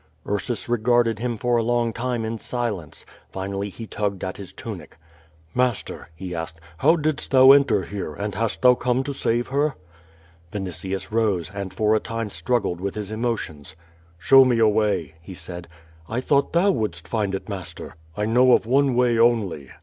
Ursus regarded him for a long time in silence; finally he tugged at his tunic: "Master," he asked, *Tiow didst thou enter here, and hast thou come to save her?" Vinitius rose, and for a time struggled with his emotions. "Show me a way," he said. "I thought thou wouldst find it, master." "I know of one way only."